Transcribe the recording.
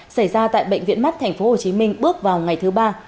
xảy ra tại bệnh viện mắt tp hcm bước vào ngày thứ ba